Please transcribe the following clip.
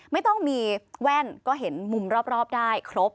ไม่ต้องมีแว่นก็เห็นมุมรอบได้ครบ